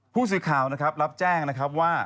ผู้สื่อข่าวนะครับรับแจ้งนะครับว่า